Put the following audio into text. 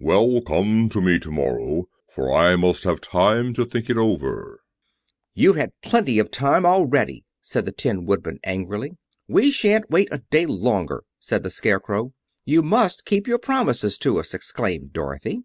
Well, come to me tomorrow, for I must have time to think it over." "You've had plenty of time already," said the Tin Woodman angrily. "We shan't wait a day longer," said the Scarecrow. "You must keep your promises to us!" exclaimed Dorothy.